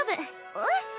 えっ？